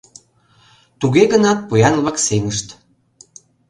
Туге гынат поян-влак сеҥышт.